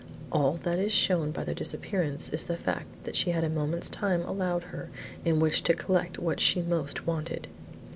All that is shown by their disappearance is the fact that she had a moment's time allowed her in which to collect what she most wanted."